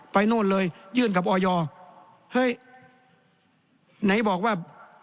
โน่นเลยยื่นกับออยเฮ้ยไหนบอกว่า